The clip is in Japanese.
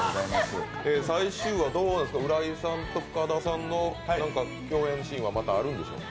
最終話どうですか、浦井さんと深田さんの共演シーンはあるんでしょうか？